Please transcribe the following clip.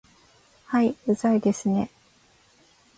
はい、うざいですね